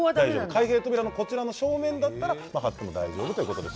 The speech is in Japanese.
開閉扉の前の面だったら大丈夫ということです。